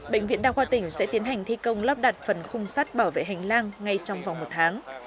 bệnh viện đa khoa tỉnh sẽ tiến hành thi công lắp đặt phần khung sắt bảo vệ hành lang ngay trong vòng một tháng